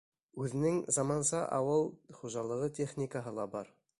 Үҙенең заманса ауыл хужалығы техникаһы ла бар.